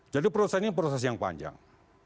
jadi proses ini proses yang panjang